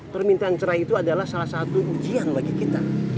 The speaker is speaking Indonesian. permintaan cerai itu adalah salah satu ujian bagi kita